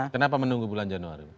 kenapa menunggu bulan januari